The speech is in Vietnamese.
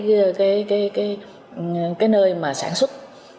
cái nơi mà sản xuất